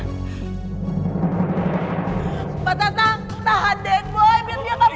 sempat datang tahan den boy biar dia nggak pergi